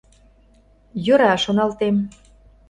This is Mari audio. — Йӧра, шоналтем.